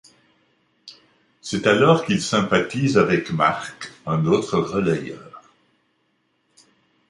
C’est alors qu’il sympathise avec Marc, un autre relayeur.